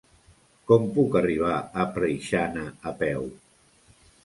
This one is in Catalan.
Com puc arribar a Preixana a peu?